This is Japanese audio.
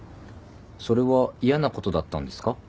それは嫌なことだったんですか？